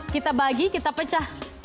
kita bagi kita pecah